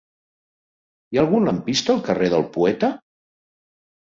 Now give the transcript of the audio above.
Hi ha algun lampista al carrer del Poeta?